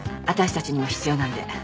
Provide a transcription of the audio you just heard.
私たちにも必要なので。